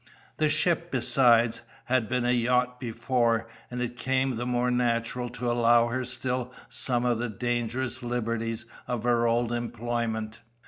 The ship, besides, had been a yacht before; and it came the more natural to allow her still some of the dangerous liberties of her old employment.